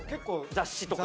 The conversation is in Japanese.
雑誌とか。